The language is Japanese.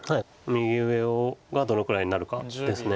右上がどのくらいになるかです。